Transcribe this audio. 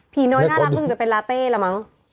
ผีหน่อยน่ารักยูจะเป็นลาเต้อะไรมั้ง